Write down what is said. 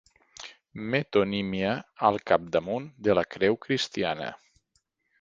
Metonímia al capdamunt de la creu cristiana.